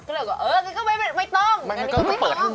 ก็เลยก็เออไม่ต้องอันนี้ก็ไม่ต้อง